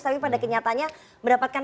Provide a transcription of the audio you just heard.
tapi pada kenyataannya mendapatkan